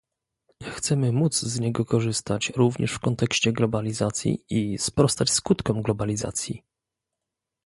Chcemy móc z niego korzystać również w kontekście globalizacji i sprostać skutkom globalizacji